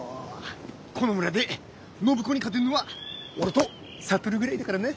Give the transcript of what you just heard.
この村で暢子に勝てるのは俺と智ぐらいだからな。